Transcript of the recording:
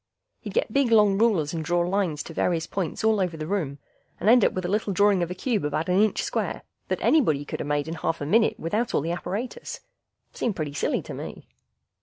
He'd get big long rulers and draw lines to various points all over the room, and end up with a little drawing of a cube about an inch square that anybody coulda made in a half a minute without all the apparatus. Seemed pretty silly to me.